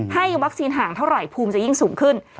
ให้วัคซีนห่างเท่าไหร่ภูมิจะยิ่งสูงขึ้น